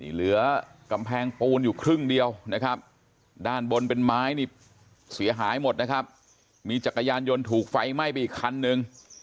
เหลือกำแพงปูนอยู่ครึ่งเดียวนะครับด้านบนเป็นไม้นี่เสียหายหมดนะครับมีจักรยานยนต์ถูกไฟไหม้ไปอีกคันนึง